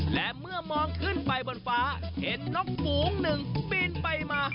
และเมื่อมองขึ้นไปบนฟ้าเห็นนกฝูงหนึ่งปีนไปมา